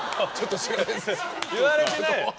言われてないよ。